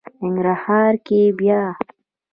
ننګرهار کې بیا...